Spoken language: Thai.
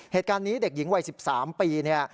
เหตุการณ์นี้เด็กหญิงวัย๑๓ปีเนี่ย